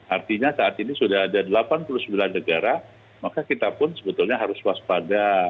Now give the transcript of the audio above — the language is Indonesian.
artinya saat ini sudah ada delapan puluh sembilan negara maka kita pun sebetulnya harus waspada